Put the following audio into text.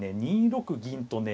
２六銀とね